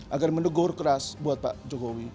agar mendegur keras buat pak jokowi